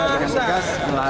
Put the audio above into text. kegiatan politik di car free day